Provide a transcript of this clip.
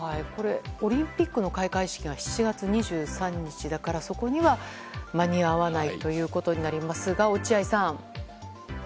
オリンピックの開会式が７月２３日だから、そこには間に合わないことになりますが落合さん。